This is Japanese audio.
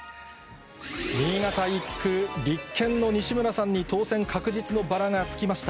新潟１区、立憲の西村さんに当選確実のバラがつきました。